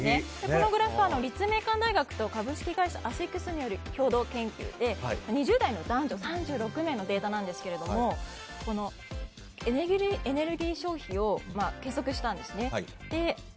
このグラフは立命館大学と株式会社アシックスによる共同研究で２０代の男女３６名のデータですがエネルギー消費を計測したんですね。